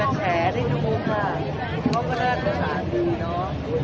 เจ้าตั๋วก็พิลักษณ์ที่รัก